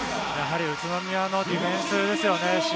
宇都宮のディフェンスですよね。